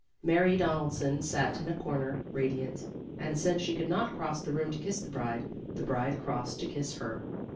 Mary Donaldson sat in a corner, radiant; and since she could not cross the room to kiss the bride, the bride crossed to kiss her.